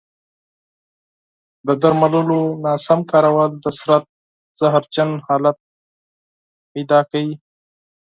د درملو ناسم کارول د بدن زهرجن حالت پیدا کوي.